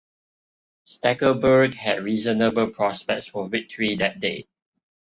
Stackelberg had reasonable prospects for victory that day.